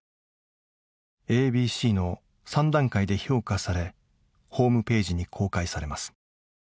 ＡＢＣの３段階で評価されホームページに公開されます。